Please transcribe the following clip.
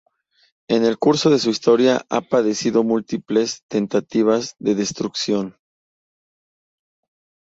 En el curso de su historia ha padecido múltiples tentativas de destrucción.